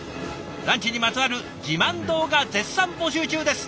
ランチにまつわる自慢動画絶賛募集中です。